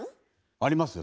ありますよ